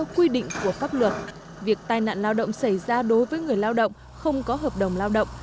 quy định của pháp luật việc tai nạn lao động xảy ra đối với người lao động không có hợp đồng lao động